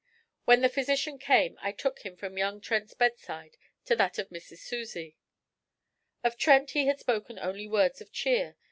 When the physician came, I took him from young Trent's bedside to that of 'Missis Susie.' Of Trent he had spoken only words of cheer.